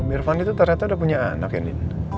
om irfan itu ternyata udah punya anak ya nin